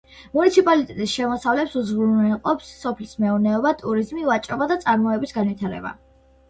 მუნიციპალიტეტის შემოსავლებს უზრუნველყოფს სოფლის მეურნეობა, ტურიზმი, ვაჭრობა და წარმოების განვითარება.